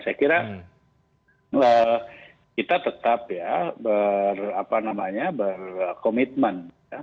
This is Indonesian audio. saya kira kita tetap ya berkomitmen